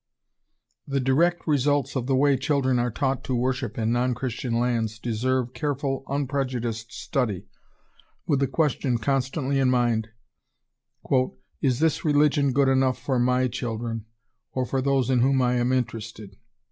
The direct results of the way children are taught to worship in non Christian lands deserve careful, unprejudiced study, with the question constantly in mind, "Is this religion good enough for my children, or for those in whom I am interested?"